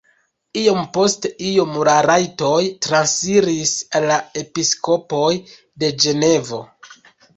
Iom post iom la rajtoj transiris al la episkopoj de Ĝenevo.